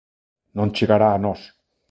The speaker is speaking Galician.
Non chegará a nós.